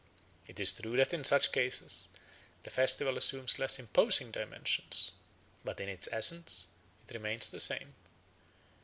It is true that in such cases the festival assumes less imposing dimensions, but in its essence it remains the same.